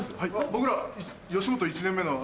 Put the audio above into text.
僕ら吉本１年目の。